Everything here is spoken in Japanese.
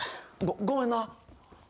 ごめんな。